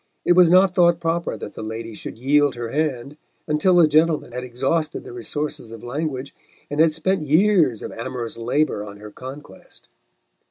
It was not thought proper that the lady should yield her hand until the gentleman had exhausted the resources of language, and had spent years of amorous labour on her conquest.